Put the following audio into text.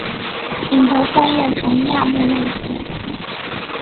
隐头三叶虫亚目类似。